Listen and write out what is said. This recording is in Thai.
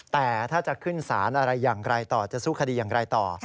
แต่ถ้าจะขึ้นสารอะไรอย่างไรต่อจะสู้คดีอย่างไรต่อ